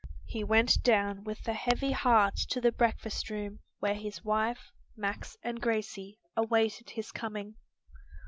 He went down with a heavy heart to the breakfast room where his wife, Max and Gracie awaited his coming.